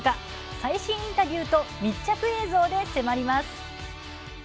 最新インタビューと密着映像で迫ります。